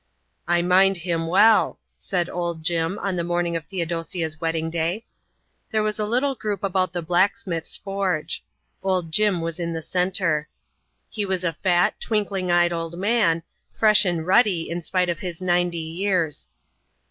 "I mind him well," said old Jim on the morning of Theodosia's wedding day. There was a little group about the blacksmith's forge. Old Jim was in the centre. He was a fat, twinkling eyed old man, fresh and ruddy in spite of his ninety years.